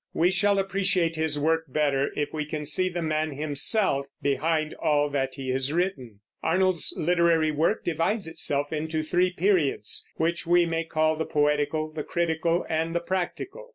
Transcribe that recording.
We shall appreciate his work better if we can see the man himself behind all that he has written. Arnold's literary work divides itself into three periods, which we may call the poetical, the critical, and the practical.